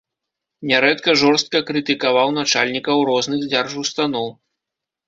Нярэдка жорстка крытыкаваў начальнікаў розных дзяржустаноў.